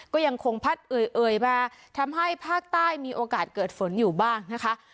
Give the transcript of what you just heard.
ก็ยังคงพัดเอ่ยมาทำให้ภาคใต้มีโอกาสเกิดฝนอยู่บ้างนะคะ